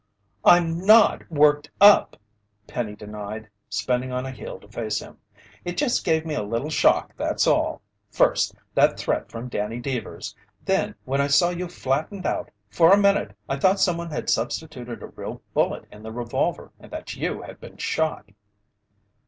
"I'm not worked up!" Penny denied, spinning on a heel to face him. "It just gave me a little shock, that's all. First, that threat from Danny Deevers. Then when I saw you flattened out, for a minute I thought someone had substituted a real bullet in the revolver and that you had been shot."